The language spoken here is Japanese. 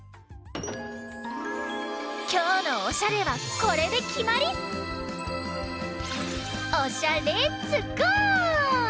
きょうのオシャレはこれできまり！オシャレッツゴー！